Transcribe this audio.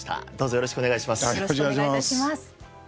よろしくお願いします。